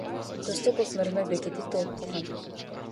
Достук өкмөрмө бекети толуп калган.